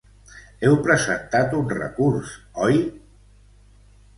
Heu presentat un recurs, oi?